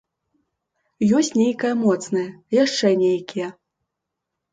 Ёсць нейкае моцнае, яшчэ нейкія.